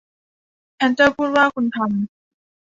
แฮตเตอร์พูดว่า คุณทำ